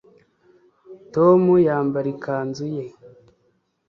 tom yambara ikanzu ye